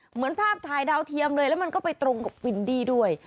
เหมือนภาพถ่ายดาวเทียมเลยแล้วมันก็ไปตรงกับวินดี้ด้วย